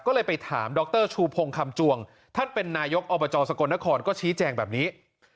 ก็เลยไปถามดรชูพงคำจวงท่านเป็นนายกอบจสกลนครก็ชี้แจงแบบนี้